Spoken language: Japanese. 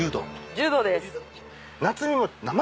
柔道です。